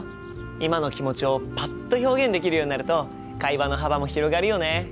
今の気持ちをパッと表現できるようになると会話の幅も広がるよね。